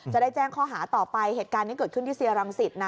จะได้แจ้งข้อหาต่อไปเหตุการณ์นี้เกิดขึ้นที่เซียรังสิตนะ